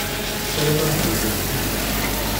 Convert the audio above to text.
Sarameɣ tufam kullec.